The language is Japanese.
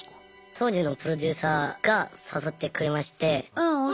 当時のプロデューサーが誘ってくれまして。